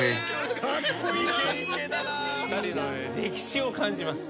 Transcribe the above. ２人の歴史を感じます。